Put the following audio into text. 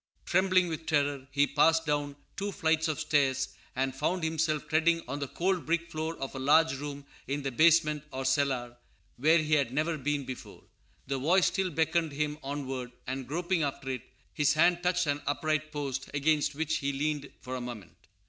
Trembling with terror, he passed down two flights of stairs, and found himself treading on the cold brick floor of a large room in the basement, or cellar, where he had never been before. The voice still beckoned him onward; and, groping after it, his hand touched an upright post, against which he leaned for a moment.